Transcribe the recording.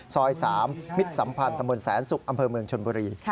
ซอย๓มิตรสัมพันธ์ตำรวจแสนศุกร์อำเภอเมืองชนบุรี